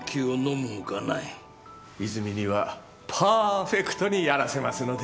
泉にはパーフェクトにやらせますので。